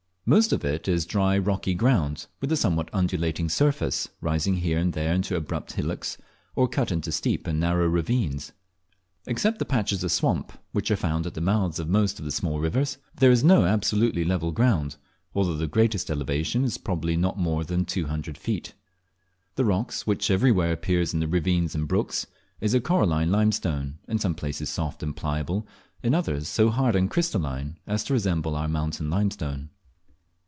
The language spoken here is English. Most of it is dry rocky ground, with a somewhat undulating surface, rising here and there into abrupt hillocks, or cut into steep and narrow ravines. Except the patches of swamp which are found at the mouths of most of the small rivers, there is no absolutely level ground, although the greatest elevation is probably not more than two hundred feet. The rock which everywhere appears in the ravines and brooks is a coralline limestone, in some places soft and pliable, in others so hard and crystalline as to resemble our mountain limestone.